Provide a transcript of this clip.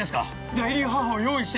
代理母を用意して。